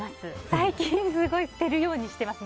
最近すごい捨てるようにしています。